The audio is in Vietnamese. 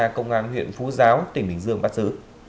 điều tra công an huyện phú giáo tỉnh bình dương bắt giữ